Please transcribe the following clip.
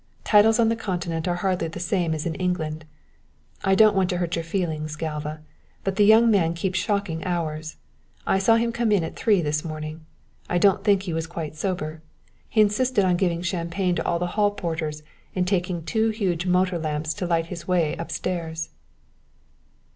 Titles on the continent are hardly the same as in England. I don't want to hurt your feelings, Galva, but the young man keeps shocking hours. I saw him come in at three this morning. I don't think he was quite sober; he insisted on giving champagne to all the hall porters and taking two huge motor lamps to light his way up stairs."